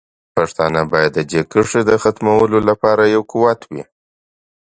پښتانه باید د دې کرښې د ختمولو لپاره یو قوت وي.